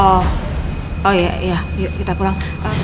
oh oh ya ya yuk kita pulang